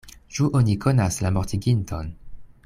Ĉu oni konas la mortiginton?